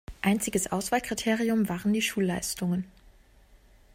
Einziges Auswahlkriterium waren die Schulleistungen.